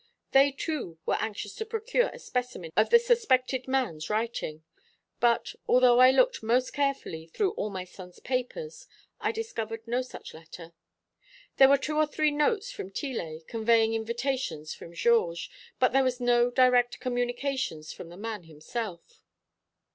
They, too, were anxious to procure a specimen of the suspected man's writing; but, although I looked most carefully through all my son's papers, I discovered no such letter. There were two or three notes from Tillet conveying invitations from Georges, but there was no direct communication from the man himself."